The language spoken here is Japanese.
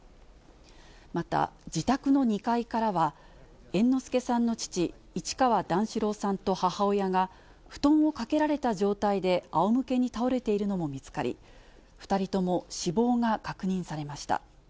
また、自宅の２階からは、猿之助さんの父、市川段四郎さんと母親が、布団をかけられた状態であおむけに倒れているのも見つかり、２人とも死亡が確認されました。